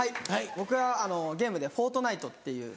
僕はゲームで『フォートナイト』っていう。